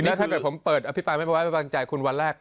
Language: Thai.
แล้วถ้าเกิดผมเปิดอภิปราณแม่ประวัยแม่บันดาลใจคุณวันแรก